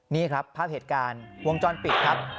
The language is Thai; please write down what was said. นี่ครับภาพเหตุการณ์วงจรปิดครับ